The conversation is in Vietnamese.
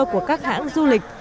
của các hãng du lịch